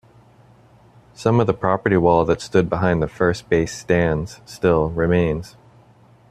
Some of the property wall that stood behind the first-base stands still remains.